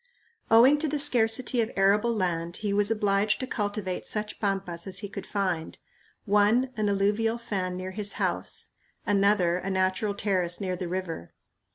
Owing to the scarcity of arable land he was obliged to cultivate such pampas as he could find one an alluvial fan near his house, another a natural terrace near the river.